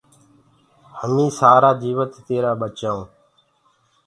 همين سآرآ جيوت تيرآ ٻچآ هونٚ